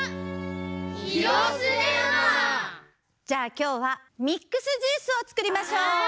じゃあきょうはミックスジュースをつくりましょう！